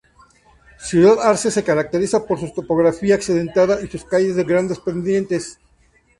Ciudad Arce se caracteriza por su topografía accidentada y sus calles de grandes pendientes.